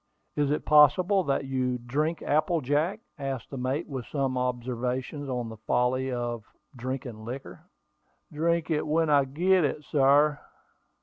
"Is it possible that you drink apple jack?" asked the mate, with some observations on the folly of drinking liquor. "Drink it when I git it, sar."